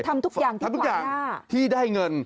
ทำทุกอย่างทำทุกอย่างที่ได้เงิน